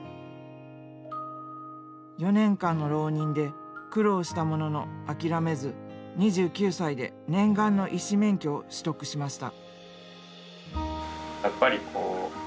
４年間の浪人で苦労したもののあきらめず２９歳で念願の医師免許を取得しました。